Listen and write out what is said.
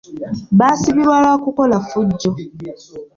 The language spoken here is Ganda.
Baasibibwa lwa kukola ffujjo.